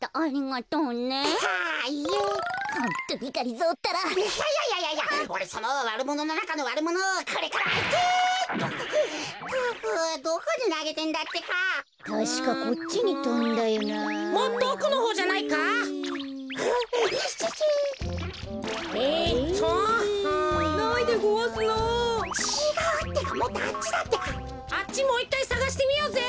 あっちもういっかいさがしてみようぜ。